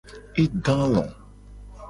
E do alo.